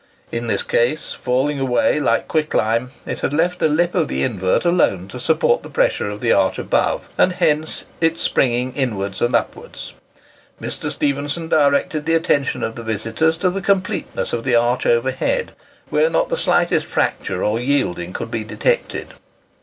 In this case, falling away like quicklime, it had left the lip of the invert alone to support the pressure of the arch above, and hence its springing inwards and upwards. Mr. Stephenson directed the attention of the visitors to the completeness of the arch overhead, where not the slightest fracture or yielding could be detected.